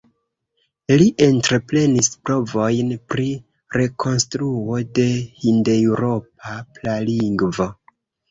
Li entreprenis provojn pri rekonstruo de hindeŭropa pralingvo.